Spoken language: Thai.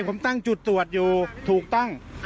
ผมตั้งจุดตรวจอยู่ถูกต้อง